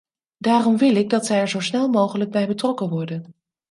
Daarom wil ik dat zij er zo snel mogelijk bij betrokken worden.